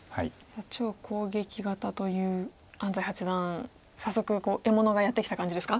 超攻撃型という安斎八段早速獲物がやってきた感じですか？